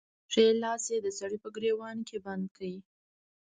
ښی لاس يې د سړي په ګرېوان کې بند کړ.